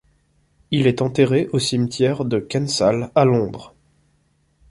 Il est enterré au cimetière de Kensal à Londres.